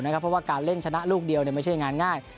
เพราะว่าการเล่นชนะลูกเดียวไม่ใช่งานง่าย